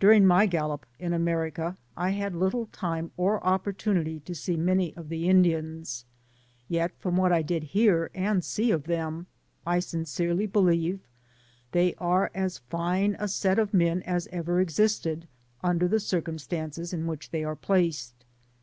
During my gallop in America, I had little time or opportunity to see many of the Indians; yet from what I did hear and see of them, I sincerely believe they ar^ as fine a set of men as ever existed Digitized byGoogk THE PAMPAS IKBTA^^S. 113 under the circumstances in which they are placed.